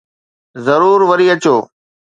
ضرور وري اچو